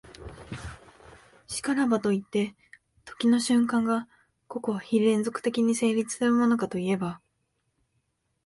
然らばといって、時の瞬間が個々非連続的に成立するものかといえば、